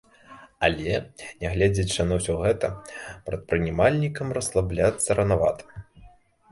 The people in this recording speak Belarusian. Але, нягледзячы на ўсё гэта, прадпрымальнікам расслабляцца ранавата.